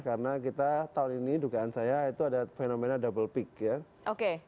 karena kita tahun ini dugaan saya itu ada fenomena double peak ya